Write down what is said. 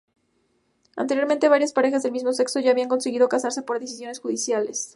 Anteriormente, varias parejas del mismo sexo ya habían conseguido casarse por decisiones judiciales.